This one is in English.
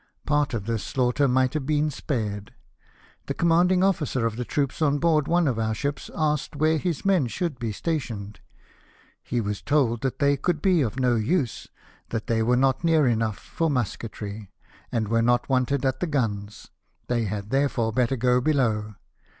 Part of this slaughter might have been spared. The commanding officer of the troops on board one of our ships asked where his men should be stationed. He was told that they could be of no use; that Q 2 244 LIFE OF NELSON. they were not near enough for musketry, and were not wanted at the guns; they had, therefore, better go below.